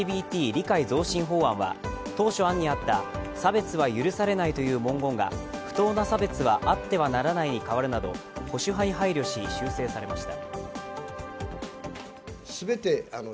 理解増進法案は当初、案にあった差別は許されないという文言が不当な差別はあってはならないに変わるなど、保守派に配慮し、修正されました。